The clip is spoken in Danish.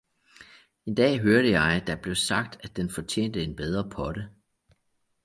En dag hørte jeg, der blev sagt, at den fortjente en bedre potte.